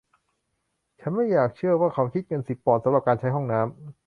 ฉันไม่อยากเชื่อว่าเขาคิดเงินสิบปอนด์สำหรับการใช้ห้องน้ำ !